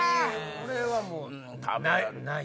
これはもうない！